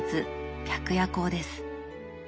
「白夜行」です。